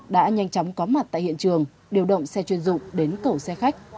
đã nhanh chóng có mặt tại hiện trường điều động xe chuyên dụng đến cẩu xe khách